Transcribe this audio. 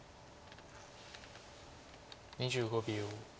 ２５秒。